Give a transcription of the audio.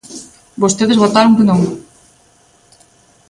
Vostedes votaron que non.